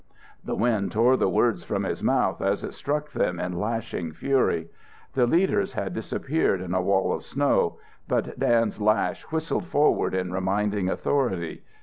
The wind tore the words from his mouth as it struck them in lashing fury. The leaders had disappeared in a wall of snow, but Dan's lash whistled forward in reminding authority.